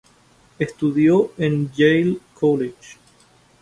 Estudió en el Yale College.